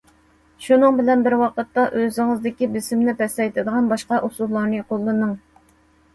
شۇنىڭ بىلەن بىر ۋاقىتتا، ئۆزىڭىزدىكى بېسىمنى پەسەيتىدىغان باشقا ئۇسۇللارنى قوللىنىڭ.